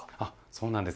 そうなんです。